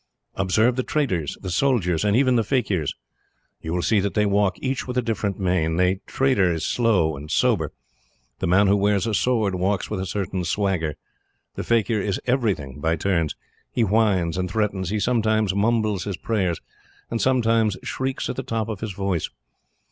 Observe the traders, the soldiers, and even the fakirs. You will see that they walk each with a different mien. The trader is slow and sober. The man who wears a sword walks with a certain swagger. The fakir is everything by turns; he whines, and threatens; he sometimes mumbles his prayers, and sometimes shrieks at the top of his voice.